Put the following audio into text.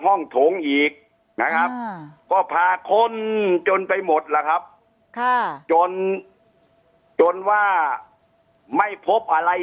โถงอีกนะครับก็พาคนจนไปหมดล่ะครับจนจนว่าไม่พบอะไร